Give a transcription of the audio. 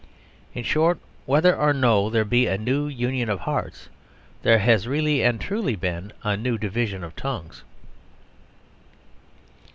In short, whether or no there be a new union of hearts, there has really and truly been a new division of tongues.